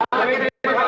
barang bukti ya